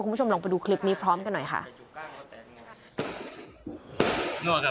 คุณผู้ชมลองไปดูคลิปนี้พร้อมกันหน่อยค่ะ